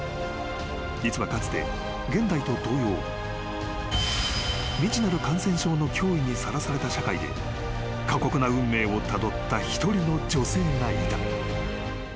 ［実はかつて現代と同様未知なる感染症の脅威にさらされた社会で過酷な運命をたどった一人の女性がいた］